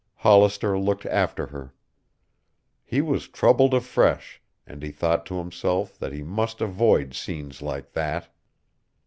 Hollister looked after her. He was troubled afresh, and he thought to himself that he must avoid scenes like that.